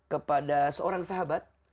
kepada seorang sahabat